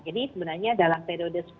jadi sebenarnya dalam periode sepuluh